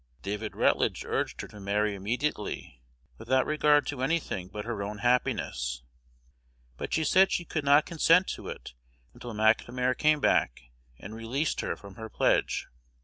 David Rutledge urged her to marry immediately, without regard to any thing but her own happiness; but she said she could not consent to it until McNamar came back and released her from her pledge.